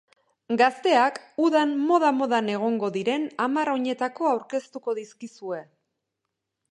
Gazteak udan moda-modan egongo diren hamar oinetako aurkeztuko dizkizue.